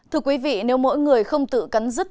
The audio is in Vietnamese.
thưa quý vị nếu mỗi người không tự cắn dứt